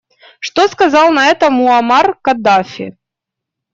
Что сказал на это Муамар Каддафи?